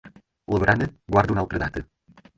La barana guarda una altra data.